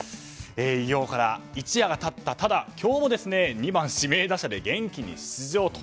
偉業から一夜が経ったただ今日も２番指名打者で元気に出場と。